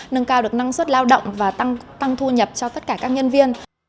nâng cao được năng suất lao động và tăng thu nhập cho tất cả các nhân viên